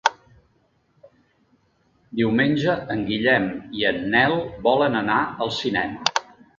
Diumenge en Guillem i en Nel volen anar al cinema.